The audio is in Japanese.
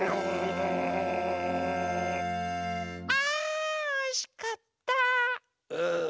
あおいしかった！